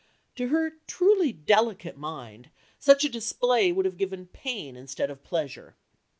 To her truly delicate mind such a display would have given pain instead of pleasure."